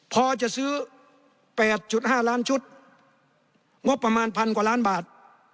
พอจะซื้อ๘๕ล้านชุดงบประมาณพันกว่าล้านบาท